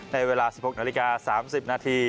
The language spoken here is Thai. ในเวลา๑๖น๓๐น